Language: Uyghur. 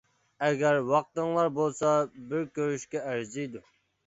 ئەگەر ۋاقتىڭلار بولسا بىر كۆرۈشكە ئەرزىيدۇ.